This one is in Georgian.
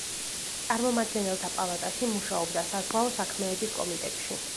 წარმომადგენელთა პალატაში მუშაობდა საზღვაო საქმეების კომიტეტში.